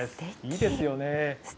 いいですよね。